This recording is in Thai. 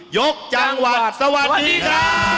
ยกจังหวัดสวัสดีครับ